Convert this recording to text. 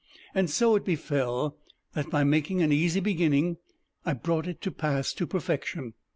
And so it befell that by making an easy beginning I brought it to pass to perfection.